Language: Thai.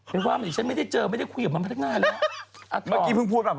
ไม่ว่าฉันไม่ได้เจอไม่ได้คุยกับมันพันธุ์หน้าเลย